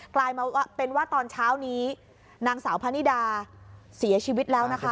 กลายมาเป็นว่าตอนเช้านี้นางสาวพะนิดาเสียชีวิตแล้วนะคะ